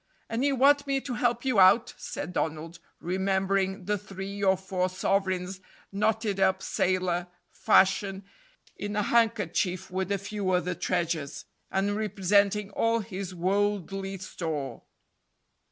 "And you want me to help you out?" said Donald, remembering the three or four sovereigns knotted up sailor fashion in a handkerchief with a few other treasures, and representing all his worldly store.